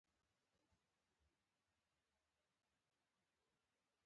ناجيې چې لا يې سترګې نه وې اخيستې وویل